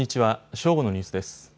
正午のニュースです。